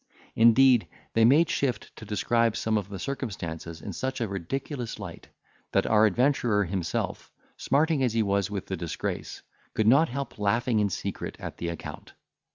Indeed, they made shift to describe some of the circumstances in such a ridiculous light, that our adventurer himself, smarting as he was with the disgrace, could not help laughing in secret at the account.